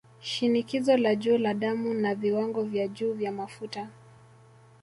Shinikizo la juu la damu na Viwango vya juu vya Mafuta